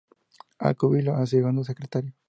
A. Cubillo A., Segundo Secretario.